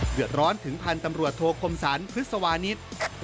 เดือดร้อนถึงพันธุ์ตำรวจโทคมสรรพฤษวานิส